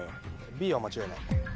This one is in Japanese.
Ｂは間違いない。